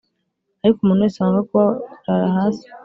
Ariko umuntu wese wanga kubarara hasi